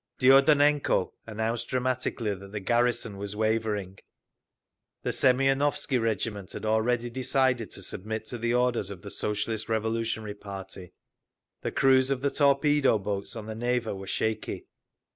Diedonenko announced dramatically that the garrison was wavering. The Semionovsky regiment had already decided to submit to the orders of the Socialist Revolutionary party; the crews of the torpedo boats on the Neva were shaky.